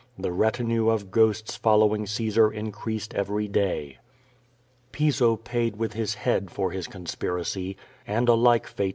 The retinue of ghosts following Caesar increased every day. Piso paid with his head for his conspiracy. And a like fati?